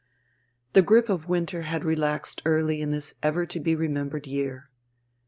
The grip of winter had relaxed early in this ever to be remembered year.